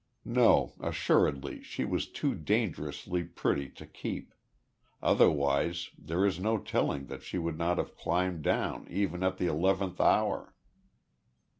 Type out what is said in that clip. No, assuredly she was too dangerously pretty to keep; otherwise there is no telling that she would not have climbed down even at the eleventh hour.